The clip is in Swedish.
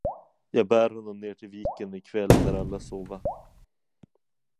Jag bär honom ned till viken i kväll, när alla sova.